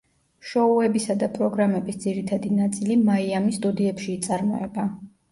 შოუებისა და პროგრამების ძირითადი ნაწილი მაიამის სტუდიებში იწარმოება.